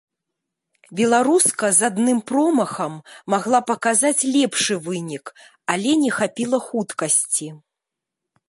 Беларуска з адным промахам магла паказаць лепшы вынік, але не хапіла хуткасці.